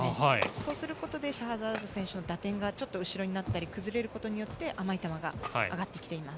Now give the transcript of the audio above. そうすることでシャハザード選手の打点がちょっと後ろになったり崩れることによって甘い球が上がってきています。